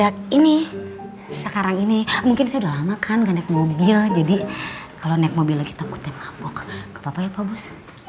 kamu dari mana sih mas